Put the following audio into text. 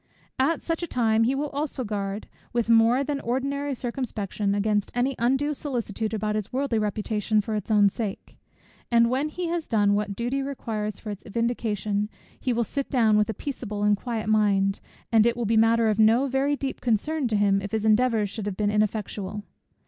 At such a time he will also guard, with more than ordinary circumspection, against any undue solicitude about his worldly reputation for its own sake; and when he has done what duty requires for its vindication, he will sit down with a peaceable and quiet mind, and it will be matter of no very deep concern to him if his endeavours should have been ineffectual.